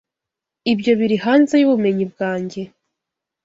Ibyo biri hanze yubumenyi bwanjye.